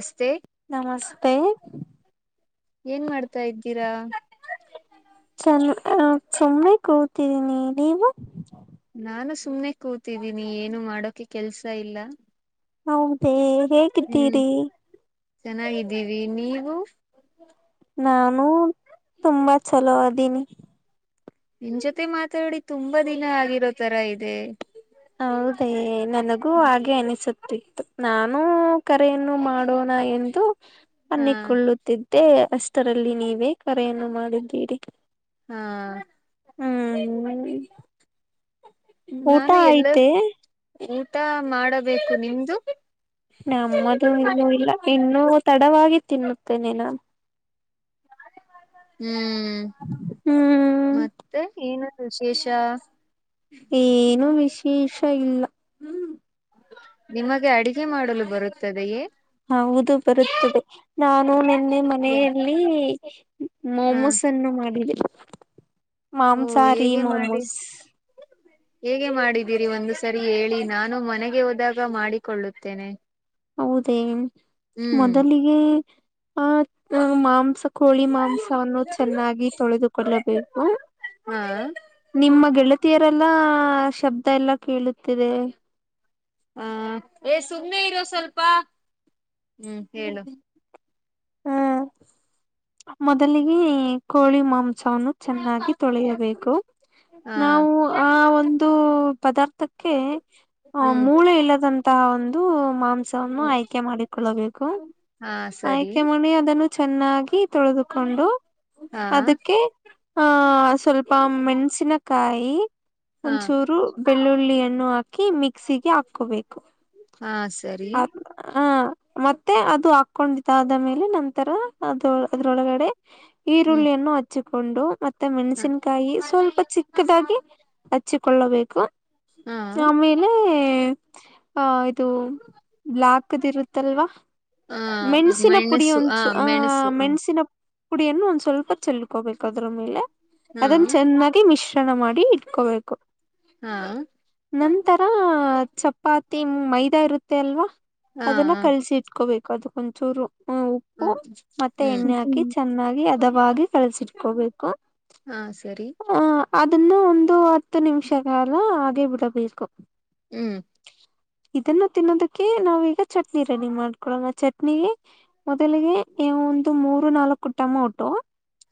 ನಮಸ್ತೆ ನಮಸ್ತೆ ಏನ್ ಮಾಡ್ತಾ ಇದ್ದೀರಾ ಚನ್ನ ಹ ಸುಮ್ಮನೆ ಕೂತಿದ್ದೀನಿ ನೀವು ನಾನು ಸುಮ್ನೆ ಕೂತಿದ್ದೀನಿ ಏನು ಮಾಡೋಕೆ ಕೆಲ್ಸ ಇಲ್ಲಾ ಹೌದೇ ಹ್ಮ್ ಹೇಗಿದ್ದೀರಿ ಚೆನ್ನಾಗಿದ್ದೀವಿ ನೀ ಹಲೋ ನಾನು ತುಂಬಾ ಚಲೋ ಅದೀನಿ ನಿನ್ ಜೊತೆ ಮಾತಾಡಿ ತುಂಬಾ ದಿನ ಆಗಿರೋ ತರ ಇದೆ ಹೌದೇ ನನಗೂ ಹಾಗೆ ಅನಿಸುತ್ತ ಇತ್ತು ನಾನು ಕರೆಯನ್ನು ಮಾಡೋಣ ಎಂದು ಹಾ ಅ್ಣ ಕೊಳ್ಳುತ್ತಿದ್ದ ಮತ್ತೆ ಅಷ್ಟರಲ್ಲಿ ನೀವೇ ಕರೆಯನ್ನು ಮಾಡಿದ್ದೀರಿ ಹಾ ಹ್ಮ್ ಊಟಾ ಆಯಿತೆ ತ್ತ ನಮ್ಮದು ಇನ್ನು ಇಲ್ಲ ಇನ್ನು ತಡವಾಗಿ ತಿನ್ನುತ್ತೇನೆೇನಾ ಹ್ಮ್ ಹ್ಮ್ ಮತ್ತೆ ಏನು ವಿುಶೇಷ ಏನುೂ ವಿಶೇಷ ಇಲ್ಲ ಹ್ಮ ನಿಮಗೆ ಅಡಿಗೆ ಮಾಡಲು ಬರುತ್ತದೆಯೇ ಹೌದು ಬರುತ್ತದೆ ನಾನು ನಿನ್ನೆ ಮನೆಯಲ್ಲಿ [unintelligible] ಹ ಮೊಮೋಸ್ನ ಮಾಡಿದೆ ಓ ಮಾಂಸಾರಿ ಹೇಗೆ ಮಾಡಿ ಮೊಮೋಸ್ ಹೇಗೆ ಮಾಡಿದೀರಿ ಒಂದು ಸರಿ ಹೇಳಿ ನಾನು ಮನೆಗೆ ಹೋದಾಗ ಮಾಡಿಕೊಳ್ಳುತ್ತೇನೆ. ಹೌದೇ ಹ್ಮ್ ಮೊದಲಿಗೆ ಆ ಮಾಂಸ ಕೋಳಿ ಮಾಂಸವನ್ನು ಚೆನ್ನಾಗಿ ತೊಳೆದುಕೊಳ್ಳಬೇಕು ಹಾ ನಿಮ್ಮ ಗೆಳತಿಯರು ಲ್ಲ ಶಬ್ದ ಎಲ್ಲಾ ಕೇಳುತ್ತಿದೆ ಹಾ ಏ ಸುಮ್ಮನೆ ಇರೋ ಸ್ವಲ್ಪ ಹ್ಮ್ ಹೇಳು ಹ್ಮ ಮೊದಲಿಗೆ ಕೋಳಿ ಮಾಂಸನು ಚೆನ್ನಾಗಿ ತೊಳೆಯಬೇಕು ಹಾ ನಾವು ಆ ಒಂದು ದು ಪದಾರ್ಥ ದಕ್ಕೆ ಆ ಹ್ಮ್ ಮೂಳೆ ಇಲ್ಲದಂತಹ ಒಂದು ಅದು ಅಂಸವನ್ನು ಆಯ್ಕೆ ಮಾಡಿಕೊಳ್ಳಬೇಕು ಹಾ ಸರಿ ಆಯ್ಕೆ ಮಾಡಿ ಚೆನ್ನಾಗಿ ಅದನ್ನು ತೊಳೆದುಕೊಂಡು ಹಾ ಅದಕ್ಕೆ ಆಹ ಸ್ವಲ್ಪ ಮೆಣಸಿನ ಕಾಯಿ ಹಾ ಒಂಚೂರು ಬೆಳ್ಳುಳ್ಳಿಯಣ್ಣು ಹಾಕ್ ಮಿಕ್ಸಿಗೆ ಆ ಹಕೋಬೇಕು ಹಾ ಸರಿ ಆ ಹ ಮತ್ತೆ ಮತ್ತೆ ಅದು ಹಾಕೊಂಡಿದ್ದ ಆದ ಮೇಲೆ ನಂತರ ಅದ ಅದ್ರೊಳಗಡೆ ಹ್ಮ್ ಈರುಳ್ಳಿಯನ್ನು ಹಚ್ಚಿ ಕೊಂಡು ಮತ್ತೆ ಮತ್ತೆ ಹಾ ಮೆಣಸಿನಕಾಯಿ ಸ್ವಲ್ಪ ಚಿಕ್ಕದಾಗಿ ಹಚ್ಚಿಕೊಳ್ಳಬೇಕು ಆಮೇಲೆ ಅ ಇದು ಬ್ಯಾಕ್ದ ಇರುತ್ತಲ್ವಾ ಹಾ ಮೆಣಸಿನ ಪುಡಿ ಮೆಣಸು ಒಂದು ಹ ಚುರ್ ಆ ಮೆಣಸು ಹ ಮೆಣಸಿನ ಪುಡಿಯನ್ನು ಒಂದ್ ಸ್ವಲ್ಪ ಚೆಲ್ಕೋಬೇಕು ಅದ್ರ ಮೇಲೆ ಹಾ ಅದನ್ನ ಚೆನ್ನಾಗಿ ಮಿಶ್ರ ಣ ಮಾಡಿ ಇಟ್ಕೋಬೇಕು ಹಾ ನಂತರ ಚಪಾತಿ ಮೈದಾ ಇರುತ್ತೆ ಅಲ್ವಾ ಹಾ ಅದನ್ನ ಹಾ ಕಳ್ಸಿ ಹಕೋಬೇಕು ಅದು ಕ ಒಂದಚೂರು ಹ್ಮ ಉಪ್ಪು ಮತ್ತೆ ಎಣ್ಣೆ ಹಾಕಿ ಹ್ಮ್ ಚೆನ್ನಾಗಿ ಅದ ವಾಗಿ ಕಳಸಿಟ್ಕೋಬೇಕು ಹಾ ಸರಿ ಅದನ್ನು ಒಂದು ಹತ್ತು ನಿಮಿಷ ಕಾಲ ಬಿಡಬೇಕು ಹ್ಮ್ ಇದನ್ನು ತಿನ್ನೋದಕ್ಕೆ ನಾವೀಗ ಚಟ್ನಿ ರೆಡಿ ಮಾಡವಿ ಳ ಚಟ್ನಿ ಮೊದಲಿಗೆ ನೀ ಒಂದು ಮೂರು ನಾಲ್ಕು ಟೊಮೊಟೊ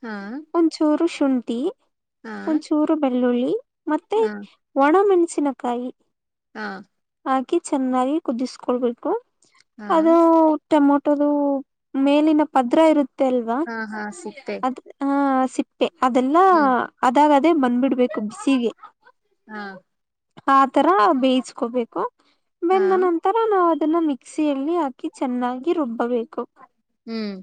ಹಾ ಒಂಚೂರುಷ ಶುಂಠಿ ಹಾ ಒಂಚೂರು ಬೆಳ್ಳುಳ್ಳಿ ಮತ್ತೆ ಹಾ ಒಣಮೆಣಸು ಸಿನಕಾಯಿ ಹಾ ಹಾಕಿ ಚೆನ್ನಾಗಿ ಕುದಿಸ್ಕೊಳ್ಬೇಕು ಹಾ ಅದು ಟಮೊ ಟೋದು ಮೇಲಿನ ಪದ್ರ ಇರುತ್ತೆ ಅಲ್ವಾ ಹಾ ಹಾ ಸಿಕ್ತೆ ಅದ ಹಾ ಸಿ ಅದೆಲ್ಲಾ ಹ್ಮ್ ಅದಾಗ ಅದೇ ಬಂದ್ಬಿಡ್ಬೇಕು ಬಿಸಿಗೆ ಹಾ ಆತರ ಬೇಯಿಸ ಹಕೋಬೇಕು ಹಾ ಬೆಂದ ನಂತರ ನಾವವು ಅದನ್ನ ಮಿಕ್ಸಿಯಲ್ಲಿ ಹಾಕಿ ಚೆನ್ನಾಗಿ ರುಬ್ಬ ಹಬೇಕು ಹ್ಮ್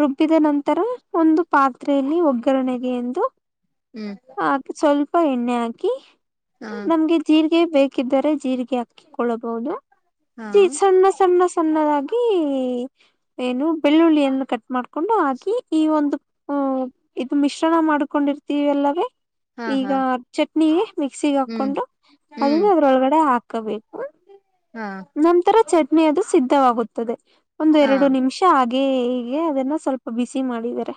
ರುಬ್ಬಿದ ನಂತರ ಒಂದು ಪಾತ್ರೆಯಲ್ಲಿ ಒಗ್ಗರಣೆಗೆ ಎಂದು ಹ್ಮ್ ಅದುೆ ಚಲ್ ಪ ಎಣ್ಣ ಆಾಕಿ ಹಾ ನಮ್ಗೆ ಜೀರಿಗೆ ಬೇಕ ಹಾಕಿದರೆ ಜೀರಿಗೆ ಹಾಕಿಕೊಳ್ಳಬಹುದು ಹಾ ಜ ಸಣ್ಣ ಸಣ್ಣ ಸಣ್ಣದಾಗಿ ಏನು ಬೆಳ್ಳುಳ್ಳಿಯನ್ನು ಕಟ್ ಮಾಡ್ಕೊಂಡು ಈ ಒಂದು ಅ ಇದು ಮಿಶ್ರಣ ಮಾಡ್ಕೊಂಡಿ ದ ಬಲ್ಲ ಬಿ ಹಾ ಈಗ ಹಾ ಚಟ್ನಿಗೆ ಮಿಕ್ಸಿಿಗೆ ಹ್ಮ್ ಹಾಕೊಂಡು ಹ್ಮ್ ಅದನ್ನ ಅದ್ರೊಳಗಡೆ ಹಾಕಬೇಕು ಹಾ ನಮ್ ತರ ಚ ೆ ಅದು ಸಿದ್ಧವಾಗುತ್ತದೆ ಒಂದ ಹಾ ಎರಡು ನಿಮಿಷ ಆಗ ಹೀಗೆ ಅದನ್ನ ಸ್ವಲ್ಪ ಬಿಸಿ ಮಾಡಿದರೆ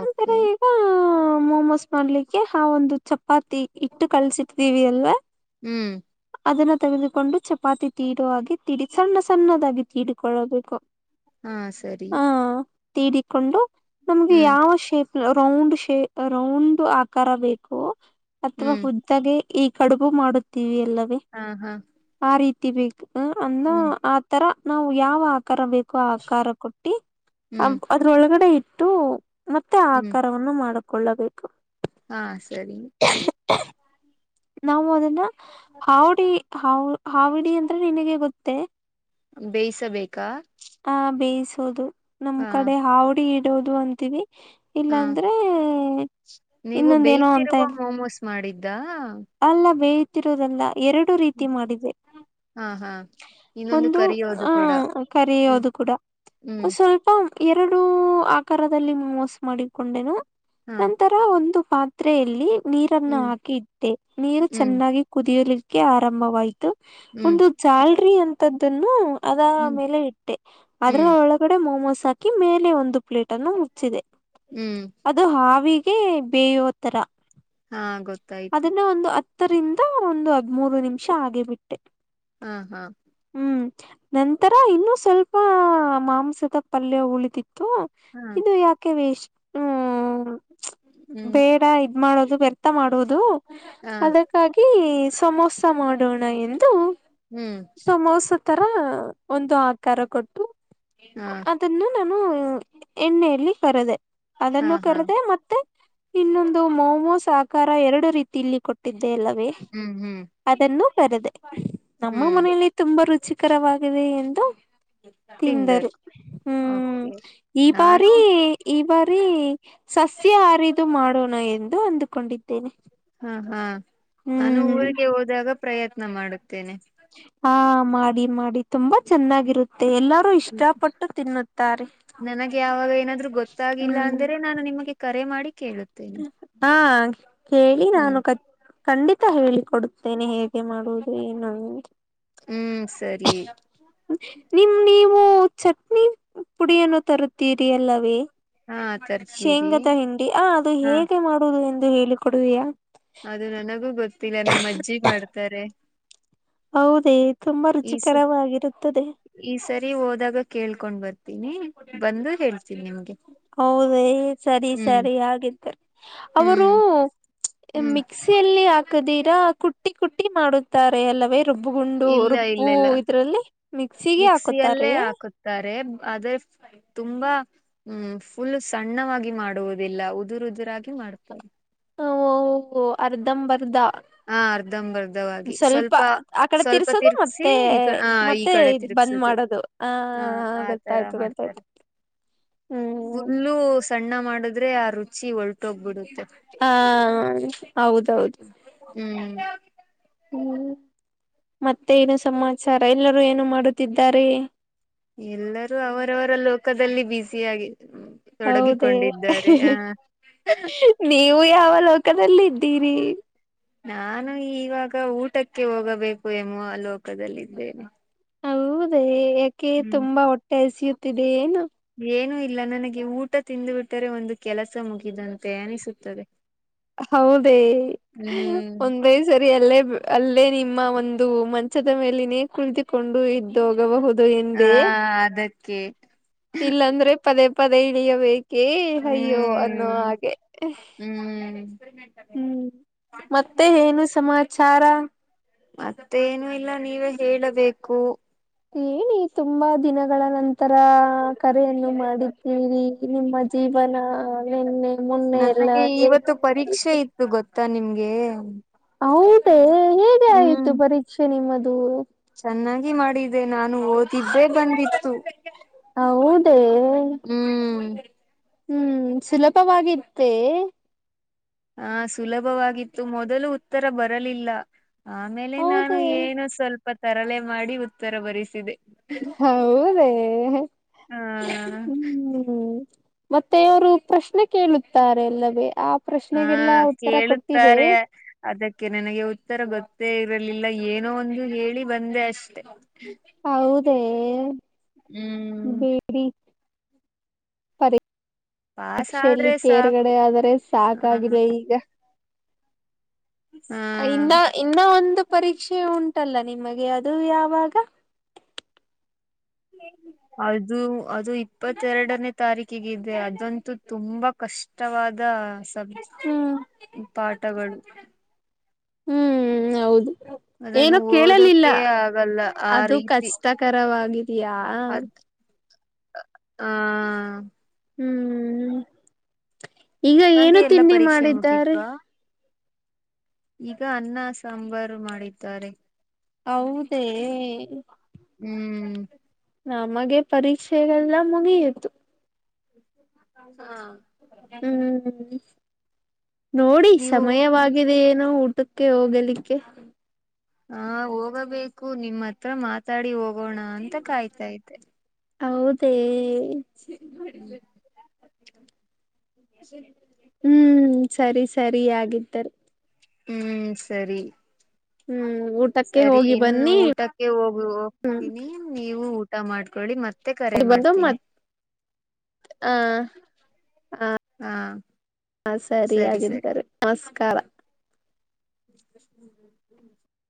ನಂತರ ಓಕೆ ಈಗ ಮೊಮೋಸ್ ಮಾಡ್ಲಿಕ್ಕೆ ಆ ಒಂದು ಚ ಚಪಾತಿ ಇಟ್ಟು ಕಲ್ಸಿಟ್ಟತೀವಿ ಅಲ್ವಾ ಹ್ಮ್ ಅದನ್ನ ತೆಗೆದುಕೊಂಡು ಚಪಾತಿ ತೀಡುವ ಹಾಗ ತಿಡಿ ಸಣ್ಣ ಸಣ್ಣದಾಗಿ ತೀಡಿಕೊಳ್ಳಬೇಕು ಹಾ ಸರಿ ಆ ತೀಡಿಕೊಂಡು ನಮ್ಗೆ ಹ್ಮ್ ಯಾವ ಶೇಪ್ ರೌಂಡ್ ಶೇ ರೌಂಡ್ ಆಕಾರ ಬೇಕು ಅಥವಾ ಹ್ಮ್ ಹುದ್ದಾಗೆ ಈ ಕಡುಬು ಮಾಡುತ್ತೀವಿ ಅಲವೇ ಹಾ ಹಾ ಆ ರೀತಿ [unintelligible] ಹೂ ಅಮ್ಮಾ ಹ್ಮ್ ಆ ತರ ನಾವು ಯಾವ ಆಕಾರ ಬೇಕು ಆ ಆಕಾರ ಕೊಟ್ಟ ಹ್ಮ್ ಅದ್ರೊಳಗಡೆ ಇಟು ಟು ಮತ್ತೆ ಹ್ಮ್ ಆಕಾರವನ್ನು ಮಾಡ ಕೊಳ್ಳಬೇಕು ಹಾ ಸರಿ ನಾವು ಮದಣ ಹಾಾವಡಿ ಹಾ ಹಾಾವಡಿ ಅಂದ್ರೆ ನಿನಗೆ ಗೊತ್ತ ಮತ್ತುೆ ಬೇಯ್ಿಸಬೇಕಾ ಆ ಬೇಯಿಸೋದು ನಮ್ ಕಡೆ ಹಾವಡಿ ದುದು ಅಂತೀವಿ ಇಲ್ಲಾ ಹಾ ಅಂದ್ರೆ ಇನ್ನೊಂದ ಏನೋ ಅಂತರಾ ದಾ ಅಲ್ಲವೇ ತಿರುವುದಲ್ಲ ಎರಡು ರೀತಿ ಮಾಡಿದೆ ಹಾ ಹಾ ಇನ್ನೊಂದು ಒಂದು ಕರಿಯೋದು ಆ ಕೂಡ ಹ್ಮ್ ಕರಿಯೋದು ಕೂಡ ಹ್ಮ್ ಸ್ವಲ್ಪ ಎರಡು ಆಕಾರದಲ್ಲಿ ಮೋಸ್ ಮಾಡಕೊಂಡೆನು ಹಾ ನಂತರ ಒಂದು ಪಾತ್ರೆಯಲ್ಲಿ ನೀರನ್ನು ಹ್ಮ್ ಹಾಕಿ ಇಟ್ಟೆ ನೀರು ಹ್ಮ್ ಚೆನ್ನಾಗಿ ಕುದಿಯಲಿ ಕೆ ಆರಂಭವಾಯ್ತು ಹ್ಮ್ ಅಲ್ರಿ ಅಂತದ್ದನ್ನು ಅದ ಹ್ಮ್ ಆಮೇಲೆ ಇಟ್ಟೆ ಅದ್ರ ಹ್ಮ್ ಒಳಗಡೆ ಮಾೊಮೋಸ್ ಹಾಕ ಹಾಕಿ ಮೇಲೆ ಒಂದು ಪ್ಲೇಟ್ ಅನ್ನು ಮುಚ್ಚಿದೆ ಹ್ಮ್ ಅದು ಹಾವಿ ಬೇಯೋ ತರ ಹಾ ಗೊತ್ತಾಯ್ತು ಅದನ್ನ ಒಂದು ಹತ್ತರಿಂದ ಒಂದು ಹದ್ಮೂರು ನಿಮಿಷ ಆಗಿ ಬಿಿಟ್ಟೆ ಹಾ ಹಾ ನಂತರ ಇನ್ನುೂ ಸ್ವಲ್ಪ ಮಾಂಸದ ಪಲ್ಯ ಉಳತಿತ್ತು ವಾ ಹಾ ಇದು ಯಾಕೆ ವಷ್ಟ ಹ್ಮ್ ಬೇಡ ಇದ್ದ ಮಾಡೋದು ವ್ಯರ್ಥ ಮಾಡುವುದು ಹಾ ಅದಕ್ಕಾಗಿ ಸಮೋಸ ಮಾಡೋಣ ಎಂದು ಹ್ಮ್ ಸಮೋಸ ತರ ಒಂದು ಆಕಾರ ಕೊಟ್ಟು ಹಾ ಅದನ್ನು ನಾನು ಹ್ಮ ಎಣ್ಣೆಯಲ್ಲಿ ಕರದೆ ಹಾ ಅದನ್ನು ಹಾ ಕರೆದೆ ಮತ್ತೆ ಇನ್ನೊಂದು ಮೊಮೋಸ್ ಸಾಹಕಾರ ಎರಡು ರೀತಿಯ ಇಲ್ಲಿ ಕೊಟ್ಟಿದೆ ಅ ಅಲ್ಲವೇ ಹ್ಮ್ ಹ್ಮ್ ಅದನ್ನು ಬರೆದೆ ಹಾ ನಮ್ಮ ಹ್ಮ್ ಮನೇಲಿ ತುಂಬಾ ರು ರುಚಿಕರವಾಗಿದೆ ಎಂದು ತಿಂದರೆ ತಿಂದರು ಹ್ಮ್ ಓಕೆ ಈ ನಾನು ಬಾರಿ ಈ ಬಾರಿ ಸಸ್ಯ ಹರಿದು ಮಾಡೋಣ ಎಂದು ಅಂದುಕೊಂಡಿದ್ದೇನೆ ಹಾ ಹಾ ನಾನು ಹ್ಮ್ ಊರಿಗೆ ಹೋದಾಗ ಪ್ರಯತ್ನ ಮಾಡುತ್ತೇನೆ ಹಾ ಮಾಡಿ ಮಾಡಿ ತುಂಬಾ ಚೆನ್ನಾಗಿರುತ್ತೆ ಮ ಎಲ್ಲರೂ ಇಷ್ಟಪಟ್ಟು ತಿನ್ನುತ್ತಾರೆ ನನಗೆ ಯಾವಾಗ ಏನಾದ್ರು ಗೊತ್ತಾಗಿಲ್ಲ ಹ್ಮ್ ಅಂದರೆೆ ನಾನು ನಿಮಗೆ ಕರೆ ಮಾಡಿ ಕೇಳುತ್ತೇನೆ. ಹಾ ಕೇಳಿ ಹ್ಮ್ ನಾನು ಕ ಖಂಡಿತಾ ಹೇಳಿಿಕ ಕೊಡುತ್ತೇನೆ ಹೇಗೆ ಮಾಡುವುದು ಏನುಂದ ಹ್ಮ್ ಸರಿ ನಿಮ ನೀ ನೀವು ಚಟ್ನಿ ಪುಡಿಯನ್ನು ತರುತ್ತೀರಿ ಎಲ್ಲವೇ ಹಾ ತರ್ತೀರಿ ಶೇಂಗದಾ ಹಿಂಡಿ ಆ ಅದು ಹಾ ಹೇಗೆ ಮಾಡುದು ಎ ಹೇಳಿ ಕೊೊಡುವಿಯಾ ಅದು ನನಗೂ ಗೊತ್ತಿಲ್ಲ ನಮ್ಮ ಅಜ್ಜಿ ಮಾಡ್ತಾರೆ ಹೌದೇ ತುಂಬಾ ಈ ಸ ರುಚಿಕರವಾಗಿರುತ್ತದೆ ಸರಿ ಹೋದಾಗ ಕೇಳ್ಕೊಂಡ್ ಬರ್ತ ಹತನಿ ಬಂದು ಹೇಳ್ತೀನಿ ನಿಮ್ಗೆ ಹೌದೇ ಸರಿ ಹ್ಮ್ ಸರಿ ಹಾಗಗಿದ್ದಾರೆ ಅವರು ಹ್ಮ್ ಹ್ಮ್ ಮಿಕ್ಸಿಯಲ್ಲಿ ಹಾ ಹಾಕದೀರಾ ಕುಟ್ಟಿ ಕುಟ್ಟಿ ಮಾಡುತ್ತಾರೆ ಅಲ್ಲವೇ ರುಬ್ಬುಗುಂಡು ಇಲ್ಲ ಇಲ್ಲ ರುಬ್ಬು ಇಲ್ಲ ಇದ್ರಲ್ಲಿ ಮಿಕ್ಸಿಗೆ ಹಾಕುತ್ತಾರೆ ಮಿಕ್ಸಿಯಲ್ಲೇ ಹಾಕುತ್ತಾರೆ ಆದ್ರ ತುಂಬಾ ಹ್ಮ್ ಫುಲ್ ಸಣ್ಣವಾಗಿ ಮಾಡುವುದಿಲ್ಲ ಉದುರು ಉದುರಾಗಿ ಮಾಡ್ತಾರೆ ಹ ಓಹಓ ಅರ್ಧಂಬರ್ಧ ಹಾ ಅರ್ಧಂಬರ್ಧವಾಗಿ ಸ್ವಲ್ಪ ಆ ಕಡೆ ಸ್ವಲ್ಪ ತಿರ್ಸೋದು ತಿರ್ಗ್ಸಿ ಮತ್ತೆ ಈ ಹ ಈ ಮತ್ತೆ ಕಡೆ ಇದ್ ಬಂದ್ ತಿರ್ಗ್ಸದು ಮಾಡೋದು ಆ ಹ ಆ ತರ ಗೊತ್ತಾಯ್ತು ಮಾಡ್ತಾರೆ ಗೊತ್ತಾಯ್ತು ಹ್ಮ್ ಫುಲ್ಲು ಸಣ್ಣ ಮಾಡಿದ್ರೆ ಆ ರುಚಿ ಹೊಲ್ ಹಾ ಹೌದೌದು ಹ್ಮ್ ಹೂ ಮತ್ತೆ ಏನು ಸಮಾಚಾರ ಎಲ್ಲರೂ ಏನು ಮಾಡುತ್ತಿದ್ದಾರೆ ಎಲ್ಲರೂ ಅವರವರ ಲೋಕದಲ್ಲಿ ಬ್ಯುಸ ಆಗ ಹೌದ ನೀವು ಯಾವಲ ಪಕ್ಕದಲ್ಲ ಇದ್ದೀರಿ ನಾನು ಇವಾಗ ಊಟಕ್ಕೆ ಹೋಗಬೇಕು ಎಂಬುವ ಲೋಕದಲ್ಲಿದ್ದೇನೆ ಹೌದೇ ಏಕೆ ಹ್ಮ್. ತುಂಬಾ ಹೊಟ್ಟೆ ಹಸು ಿದೆ ಏನು ಏನೂ ಇಲ್ಲ ನನಗೆ ಊಟ ತಿಂದು ಬಿಿಟ್ಟರೆ ಒಂದು ಕೆಲಸ ಮುಗಿದಂತೆ ಅನಿಸುತ್ತದೆ ಹೌದೇ ಹ್ಮ್ ಒಂದೇ ಸರಿ ಅಲ್ಲೇ ಅಲ್ಲೇ ನಿಮ್ಮ ಒಂದು ಮಂಚದ ಮೇಲಿನೇ ಕುಳಿತುಕೊಂಡು ಇದ್ದೋಗಬಹುದು ಇದು ಹಿಂಡಿ ಕೆ ಇಲ್ಲಂದ್ರೆ ಪದೇ ಪಡೆ ಇಡಿಯಬೇಕು ಏ ಅಯ್ಯೋ ಅನ್ನೋ ಹ್ಮ್ ಹಾಗೆ ಹ್ಮ್ ಹೂ ಮತ್ತೆ ಏನು ಸಮಾಚಾ ರಾ ಚಾರಾ ಮತ್ತೇನು ಇಲ್ಲ ನೀವೆ ಹೇಳಬೇಕು ಏನಿ ತುಂಬಾ ದಿನಗಳ ನಂತರಾ ತರ ಕರೆಯನ್ನು ಮಾಡಿದ್ದೀರಿ ನಿಮ್ಮ ಜೀವನ ನಿನ್ನೆ ಮೊನ್ನೆ ಎಲ್ಲ ನನಗೆ ಹೇಗೆ ಇವತ್ತು ಇತ್ತು ಹೂ ಹೌದೆ ಹೇಗೆ ಆಯತು ಪರೀಕ್ಷೆ ನಿಮ್ಮದ [unintelligible] ಚೆನ್ನಾಗಿ ಮಾಡಿದ್ದ ದೆ ನಾನು ಓದಿದ್ರೆ ಬಂದಿತ್ತು ಹೌದೇ ಹೂ ಹೂ ಸುಲಭವಾಗಿತ್ತೆ ಹಾ ಸುಲಭವಾಗಿತ್ತು ಮೊದಲು ಉತ್ತರ ಬರಲಿಲ್ಲ ಆಮೇಲೆ ನಾನು ಹೌದೇ ಏನೋ ಸ್ವಲ್ಪ ಸ್ವಲ್ಪ ತರಲೆ ಮಾಡಿ ಉತ್ತರ ಬರಿಸಿದೆ ಹೌದೇ ಹಾ ಹೂ ಮತ್ತೆ ಅವರು ಪ್ರಶ್ನೆ ಕೇಳುತ್ತಾರೆ ಇಲ್ಲವೇ ಆ ಹಾ ಪ್ರಶ್ನೆಗೆಲ್ಲ ಉತ್ತರ ಕೊಡ್ತಿದೆ ಕೇಳುತ್ತಾರೆ ಅದಕ್ಕೆ ನನಗೆ ಉತ್ತರ ಗೊತ್ತು ಇರಲಿಲ್ಲ ಏನೋ ಒಂದು ಹೇಳಿ ಬಂದೆ ಅಷ್ಟೆ ಹೌದ ದೇ ಹೂ ಪ [unintelligible] ಪಾಸ್ ಆದ್ರೆ ಶಿಕ್ಷೆಯಲ್ಲಿ ಸಾಕು ತೇರ್ಗಡೆ ಆದರೆ ಹ ಸಾಕಾಗಿದೇ ಈಗ ಹಾ ಇನ್ನ ಇನ್ನ ಒಂದು ಪರೀಕ್ಷೆ ಉಂಟು ಲ್ಲ ನಿಮಗೆ ಅದು ಯಾವಾಗ ಅದು ಅದು ಇಪ್ಪತ್ತೆರಡನೇ ತಾರೀಕು ಕ್ಕಗಿದ್ರೆ ಅದಂತೂ ತುಂಬಾ ಕಷ್ಟವಾದ ಸ ಹ್ಮ್ ಪಾ ತಗಳು ಹ್ಮ್ ಹೌದು ಅದನ್ನು ಏನೋ ಕೇಳಲಿಲ್ಲ ಓದೋಕೆ ಆಗಲ್ಲ ಆ ಅದು ರೀತಿ ಕಷ್ಟಕರವಾಗಿದಯಾ ಹಾ ಹ್ಮ್ ಈಗ ನಿಮಗೆ ಏನು ಎಲ್ಲ ತಿಂಡಿ ಪರೀಕ್ಷೆ ಮಾಡಿದ್ದಾರೆ ಮುಗಿದ್ವಾ ಈಗ ಅನ್ನ ಸಾಂಬಾರು ಮಾಡಿದ್ದಾರೆ ಹೌದೇ ಹ್ಮ್ ನಮಗೆ ಪರೀಕ್ಷೆಗೆಲ್ಲ ಮುಗಿಯಿತು ಹಾ ಹ್ಮ್ ನೋಡಿ ನೀವು ಸಮಯವಾಗಿದೆ ಏನೋ ಮತ್ತಕ್ಕೆ ಹೋಗಲಿಕ್ಕೆ ಹ ಹೋಗಬೇಕು ನಿಮ್ಮ ಹತ್ರ ಮಾತಾಡಿ ಹೋಗ ಹೋಗೋಣ ಅಂತ ಕಾಯ್ತಾಯ್ತೆ ಹೌದೇ ಚೇಜ್ ಮಾಡಿದ ಹ್ಮ್ ಸರಿ ಸರಿ ಆಗಿದ್ದಿದ್ದಾರೆ ಹ್ಮ್ ಸರಿ ಹ್ಮ್ ಊಟಕ್ಕೆ ಸರಿ ಹೋಗಿ ಇನ್ನು ಬನ್ನಿ ಊಟಕ್ಕೆ ಹೋಗ ಹ್ಮ್ ಹೋಗ್ತೀನಿ ನೀವು ಊಟ ಮಾಡ್ಕೊಳ್ಳಿ ಮತ್ತೆ ಮತ್ತೆ ಕರೆ ಬಂದು ಮಾಡ್ತೀವಿ ಮತ್ ಆ ಹಾ ಹ ಸರಿ ಆಗರ್ತಾರೆ ನಮಸ್ಕಾರ [inaudible]